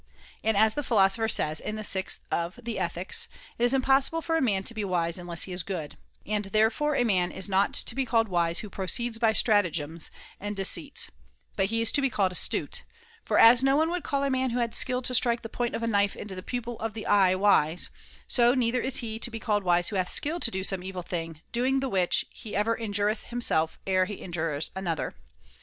And, as the Philosopher says in the sixth of the Ethics, ' it is impossible for a man to be wise unless he is good,' and therefore a man is not to be called wise who proceeds by stratagems [_$o~\ and deceits, but he is to be called astute ; for as no one would call a man who had skill to strike the point of a knife into the pupil of the eye wise, so neither is he to be called wise who hath skill to do some evil thing, doing the which he ever injureth himself ere he injures another.